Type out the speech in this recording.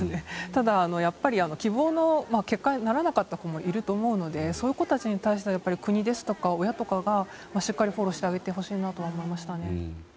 ただ、希望の結果にならなかった子もいると思うのでそういう子たちに対しては国ですとか親がしっかりフォローしてあげてほしいなとは思いましたね。